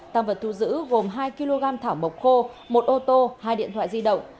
tăng vật thu giữ gồm hai kg thảo mộc khô một ô tô hai điện thoại di động